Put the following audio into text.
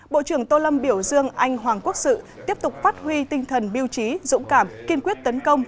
bộ trưởng tô lâm biểu dương anh hoàng quốc sự tiếp tục phát huy tinh thần biêu trí dũng cảm kiên quyết tấn công